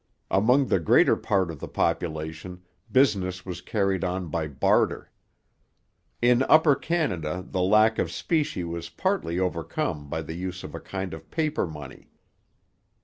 Among the greater part of the population, business was carried on by barter. In Upper Canada the lack of specie was partly overcome by the use of a kind of paper money.